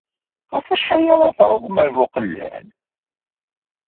Ɣef wacḥal ay d-tewwḍem ɣer Buqellal?